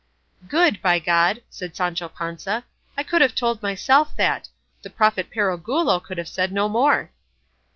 "Good, by God!" said Sancho Panza; "I could have told myself that; the prophet Perogrullo could have said no more."